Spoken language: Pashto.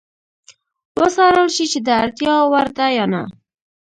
وڅارل شي چې د اړتیا وړ ده یا نه.